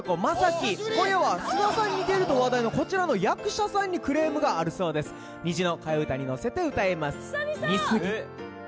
声は菅田さんに似ていると話題のこちらの役者さんにクレームがあるそうです「虹」の替え歌に乗せて歌います「似すぎ」